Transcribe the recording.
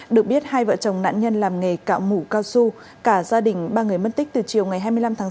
được biết hai vợ chồng nạn nhân làm nghề cạo mũ cao su cả gia đình ba người mất tích từ chiều ngày hai mươi năm tháng sáu